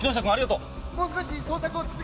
「もう少し捜索を続けてみます！」